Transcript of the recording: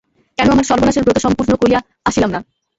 কেন আমার সর্বনাশের ব্রত সম্পূর্ণ করিয়া আসিলাম না।